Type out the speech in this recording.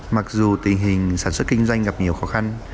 mặc dù tình hình sản xuất kinh doanh gặp nhiều khó khăn